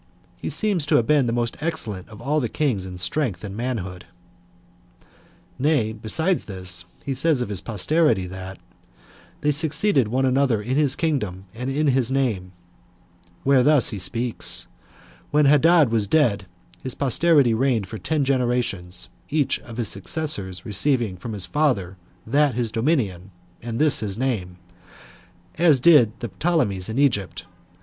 He seemed to have been the most excellent of all their kings in strength and manhood," Nay, besides this, he says of his posterity, that "they succeeded one another in his kingdom, and in his name;" where he thus speaks: "When Hadad was dead, his posterity reigned for ten generations, each of his successors receiving from his father that his dominion, and this his name; as did the Ptolemies in Egypt.